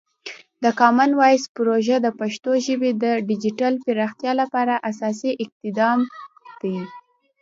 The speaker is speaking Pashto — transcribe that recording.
د کامن وایس پروژه د پښتو ژبې د ډیجیټل پراختیا لپاره اساسي اقدام دی.